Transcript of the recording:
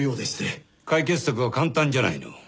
解決策は簡単じゃないの。